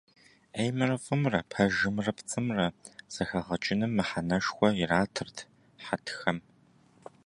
Ӏеймрэ фӏымрэ, пэжымрэ пцӏымрэ зэхэгъэкӏыным мыхьэнэшхуэ иратырт хьэтхэм.